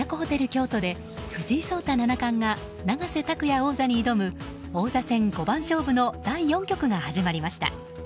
京都で藤井聡太七冠が永瀬拓矢王座に挑む王座戦五番勝負の第４局が始まりました。